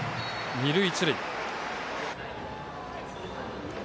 二塁一塁。